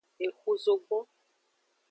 Exu zogbon.